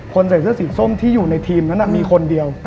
ใส่เสื้อสีส้มที่อยู่ในทีมนั้นมีคนเดียว